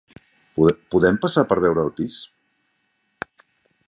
Podem passar per veure el pis?